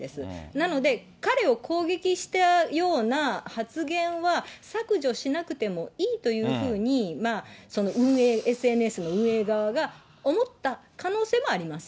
なので、彼を攻撃したような発言は削除しなくてもいいというふうに運営、ＳＮＳの運営側が思った可能性もあります。